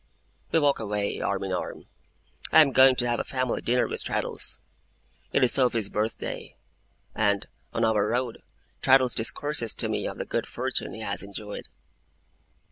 We walk away, arm in arm. I am going to have a family dinner with Traddles. It is Sophy's birthday; and, on our road, Traddles discourses to me of the good fortune he has enjoyed.